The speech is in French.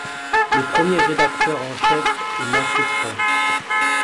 Le premier rédacteur en chef est Matthieu Thfoin.